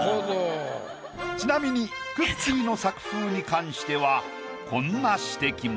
ちなみにくっきー！の作風に関してはこんな指摘も。